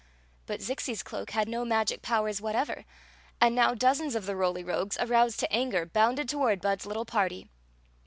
But Zixi s cloak had no magic powers whatever ; and now dozens of the Roly Rogues, aroused to anger, bounded toward Bud's litde party.